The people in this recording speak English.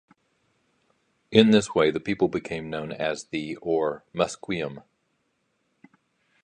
In this way the people became known as the or Musqueam.